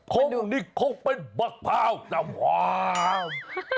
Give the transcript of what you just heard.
เพราะนี่คงเป็นบักพราวน้ำหวาม